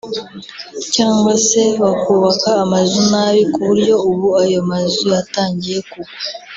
cyangwa se bakubaka amazu nabi ku buryo ubu ayo mazu yatangiye kugwa